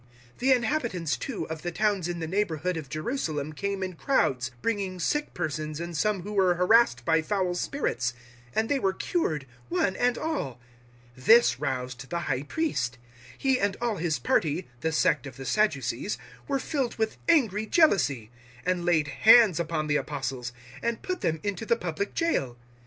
005:016 The inhabitants, too, of the towns in the neighbourhood of Jerusalem came in crowds, bringing sick persons and some who were harassed by foul spirits, and they were cured, one and all. 005:017 This roused the High Priest. He and all his party the sect of the Sadducees were filled with angry jealousy 005:018 and laid hands upon the Apostles, and put them into the public jail.